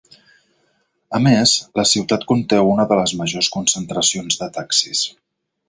A més, la ciutat conté una de les majors concentracions de taxis.